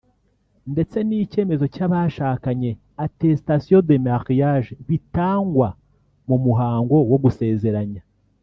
ndetse n’icyemezo cyabashakanye (attestation de mariage) bitangwa mu muhango wo gusezeranya